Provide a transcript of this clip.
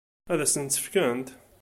Ad sent-t-fkent?